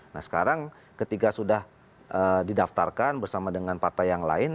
nah sekarang ketika sudah didaftarkan bersama dengan partai yang lain